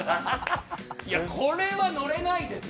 これは、乗れないですよ。